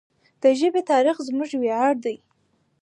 د ژبې تاریخ زموږ ویاړ دی.